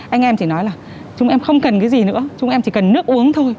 anh em chỉ nói là chúng em không cần cái gì nữa chúng em chỉ cần nước uống thôi